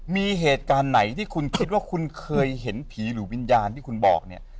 มีเหตุการณ์ไหนที่คุณคิดว่าคุณเคยเห็นผีหรือวิญญาณที่คุณบอกเนี่ย